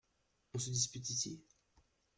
On se dispute ici ?